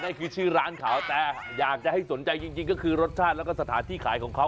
อันนั้นคือชื่อร้านเขาแต่อยากให้สนใจสนใจกินกินก็คือรสชาติและสถานที่ขายของเขา